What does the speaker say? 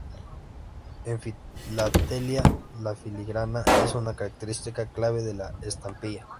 En filatelia, la filigrana es una característica clave de la estampilla.